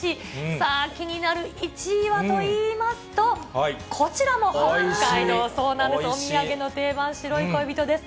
さあ、気になる１位はといいますと、こちらも北海道、そうなんです、お土産の定番、白い恋人です。